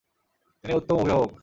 তিনি উত্তম অভিভাবক।